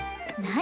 何？